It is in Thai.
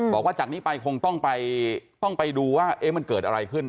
บอกว่าจากนี้ไปคงต้องไปดูว่ามันเกิดอะไรขึ้น